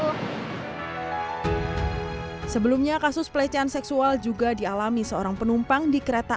hai sebelumnya kasus pelecehan seksual juga dialami seorang penumpang di kereta